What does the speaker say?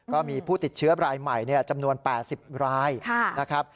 ก็มีผู้ติดเชื้อรายใหม่จำนวน๘๐รายนะครับ